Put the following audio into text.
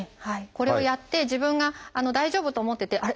これをやって自分が大丈夫と思っててあれ？